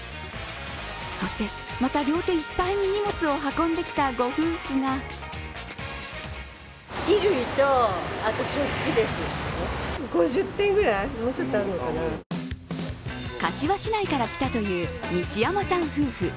そして、また両手いっぱいに荷物を運んできたご夫婦が柏市内から来たという西山さん夫婦。